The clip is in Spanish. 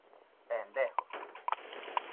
¡ pendejos!